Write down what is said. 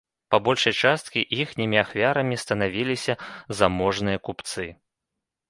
Па большай частцы іхнімі ахвярамі станавіліся заможныя купцы.